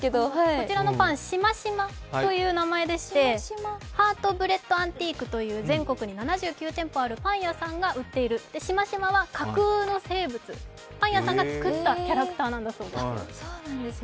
こちらのパン、しましまという名前でしてハートブレッドアンティークという全国に７９店舗あるパン屋さんが売っている、しましまは架空の生物パン屋さんが作ったキャラクターなんだそうですよ。